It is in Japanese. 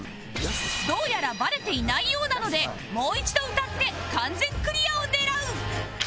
どうやらバレていないようなのでもう一度歌って完全クリアを狙う